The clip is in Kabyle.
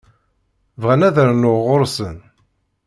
Bɣan ad rnuɣ ɣur-sen.